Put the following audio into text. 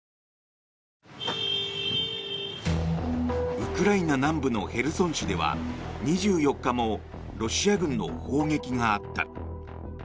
ウクライナ南部のヘルソン市では２４日もロシア軍の砲撃があった。